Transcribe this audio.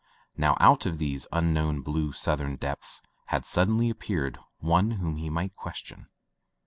Now, out of these un known blue southern depths had suddenly appeared one whom he might question.